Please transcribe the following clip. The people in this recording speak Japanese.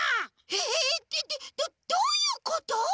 えっえっえっどどういうこと？